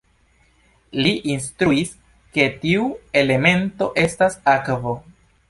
Li instruis, ke tiu elemento estas akvo.